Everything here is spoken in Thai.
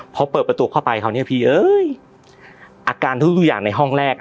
พอเปิดประตูเข้าไปคราวนี้พี่เอ้ยอาการทุกอย่างในห้องแรก